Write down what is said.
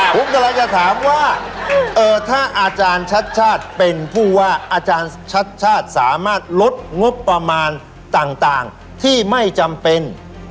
ผมกำลังจะถามว่าถ้าอาจารย์ชัดชาติเป็นผู้ว่าอาจารย์ชัดชาติสามารถลดงบประมาณต่างที่ไม่จำเป็น